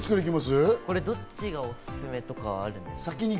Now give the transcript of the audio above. これ、どっちがおすすめとか、あるんですか？